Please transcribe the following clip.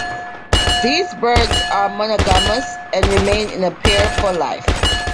These birds are monogamous and remain in a pair for life.